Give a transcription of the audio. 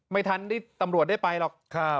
ไม่ทันที่ตำรวจได้ไปหรอก